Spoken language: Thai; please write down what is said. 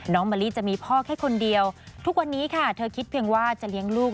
มะลิจะมีพ่อแค่คนเดียวทุกวันนี้ค่ะเธอคิดเพียงว่าจะเลี้ยงลูก